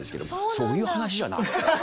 そういう話じゃないですよね！